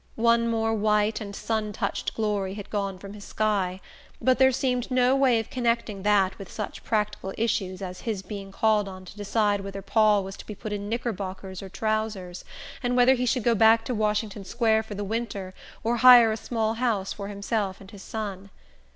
One more white and sun touched glory had gone from his sky; but there seemed no way of connecting that with such practical issues as his being called on to decide whether Paul was to be put in knickerbockers or trousers, and whether he should go back to Washington Square for the winter or hire a small house for himself and his son.